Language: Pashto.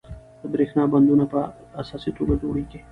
د بریښنا بندونه په اساسي توګه جوړیږي.